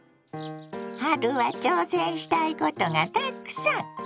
春は挑戦したいことがたくさん！